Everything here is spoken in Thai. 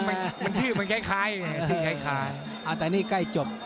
มันชื่อมันใกล้อ่ะแต่นี่ใกล้จบ